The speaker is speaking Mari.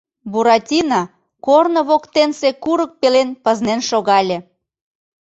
Буратино корно воктенсе курык пелен пызнен шогале.